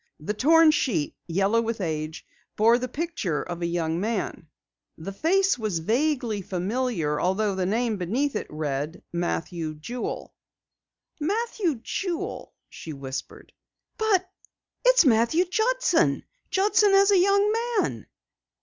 The torn sheet, yellow with age, bore the picture of a young man. The face was vaguely familiar although the name beneath it read, Matthew Jewel. "Matthew Jewel," she whispered. "But it's Matthew Judson! Judson as a young man.